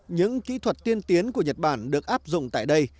những kỹ thuật tiên tiến của nhật bản được áp dụng tại đây